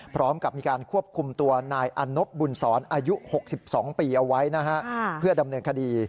พร้อมกับมีการควบคุมตัวนายอันนบบุญศรอายุ๖๒ปีเอาไว้นะฮะเพื่อดำเนินคดี